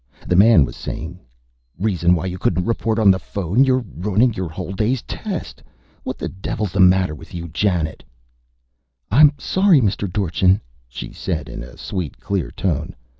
The man was saying, " reason why you couldn't report on the phone? You're ruining your whole day's test! What the devil's the matter with you, Janet?" "I'm sorry, Mr. Dorchin," she said in a sweet, clear tone.